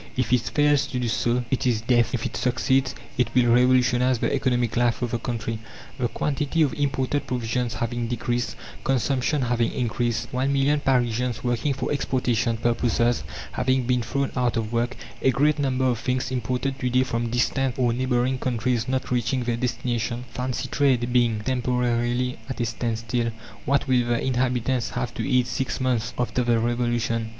If it fails to do so, it is death. If it succeeds, it will revolutionize the economic life of the country. The quantity of imported provisions having decreased, consumption having increased, one million Parisians working for exportation purposes having been thrown out of work, a great number of things imported to day from distant or neighbouring countries not reaching their destination, fancy trade being temporarily at a standstill, What will the inhabitants have to eat six months after the Revolution?